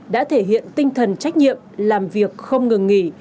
đã thể hiện tinh thần trách nhiệm làm việc không ngừng nghỉ